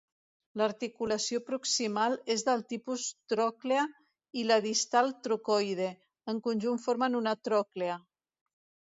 L'articulació proximal és del tipus tròclea i la distal trocoide, en conjunt formen una tròclea.